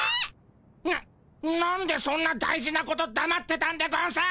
ななんでそんな大事なことだまってたんでゴンス？